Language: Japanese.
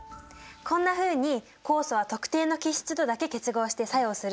こんなふうに酵素は特定の基質とだけ結合して作用するんだよ。